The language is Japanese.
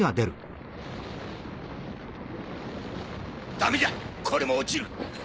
ダメじゃこれも落ちる。